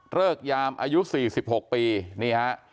เริกยามอายุ๔๖ปี